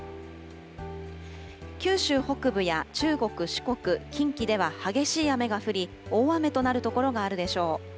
九州北部や中国、四国、近畿では激しい雨が降り、大雨となる所があるでしょう。